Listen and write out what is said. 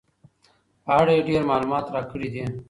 په اړه یې ډېر معلومات راکړي دي.